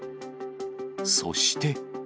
そして。